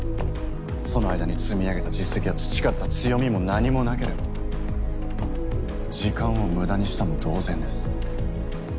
その間に積み上げた実績や培った強みも何もなければ時間を無駄にしたも同然です。